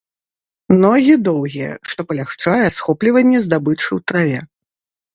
Ногі доўгія, што палягчае схопліванне здабычы ў траве.